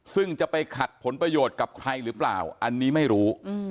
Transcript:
ซึ่งจะไปขัดผลประโยชน์กับใครหรือเปล่าอันนี้ไม่รู้